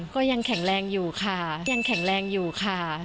ก็ยังแข็งแรงอยู่ค่ะ